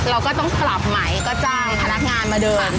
เราก็ต้องปรับใหม่ก็จ้างพนักงานมาเดิน